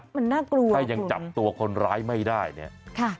มันน่ากลัวครับคุณค่ะถ้ายังจับตัวคนร้ายไม่ได้เนี่ย